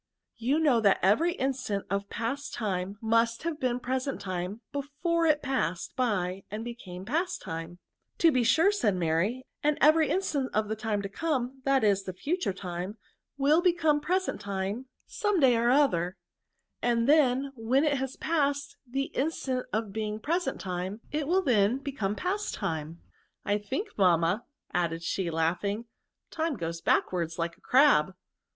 '* You know that every instant of the past time must have been present time, before it passed by and became past time ?"" To be sure," said Mary ;" and every in stant of the time to come, that is, the future time, will become present time some day or VERBS. 259 other ; and then when it has passed the instant of being present time, it will become past time* I think, mamma," added she, laugh ing, " time goes backwards, like a crab."